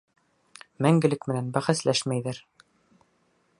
Мәңгелек менән бәхәсләшмәйҙәр.